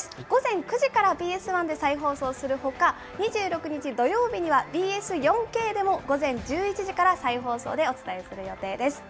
午前９時からＢＳ１で再放送するほか、２６日土曜日にはＢＳ４Ｋでも午前１１時から再放送でお伝えする予定です。